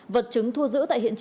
vật chứng thua giữ tại hiện đại